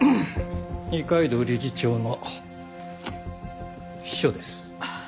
二階堂理事長の秘書です。